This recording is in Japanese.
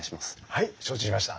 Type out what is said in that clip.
はい承知しました。